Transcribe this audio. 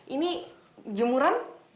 ini jemuran bagaimana